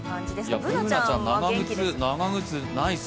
Ｂｏｏｎａちゃん、長靴ナイス。